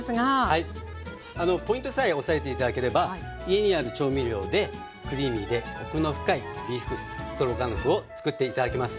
はいポイントさえ押さえて頂ければ家にある調味料でクリーミーでコクの深いビーフストロガノフをつくって頂けます。